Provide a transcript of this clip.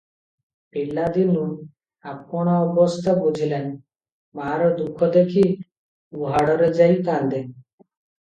ପିଲାଦିନୁ ଆପଣା ଅବସ୍ଥା ବୁଝିଲାଣି! ମାଆର ଦୁଃଖ ଦେଖି ଉହାଡ଼ରେ ଯାଇ କାନ୍ଦେ ।